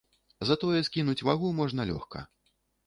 Затое скінуць вагу можна лёгка.